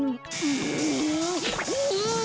うん！